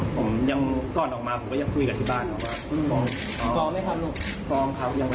ผมยังก่อนออกมาผมก็ยังคุยกับที่บ้านาม่ะว่า